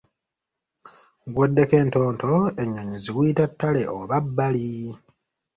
Guweddeko entonto enyonyi ziguyita ttale oba bbali.